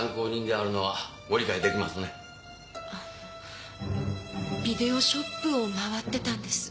あのビデオショップを回ってたんです。